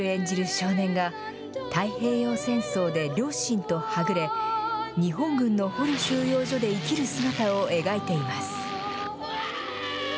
少年が、太平洋戦争で両親とはぐれ、日本軍の捕虜収容所で生きる姿を描いています。